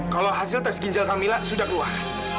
kalau hasil tes ginjal camilla sudah keluar